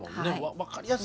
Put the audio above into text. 分かりやすく。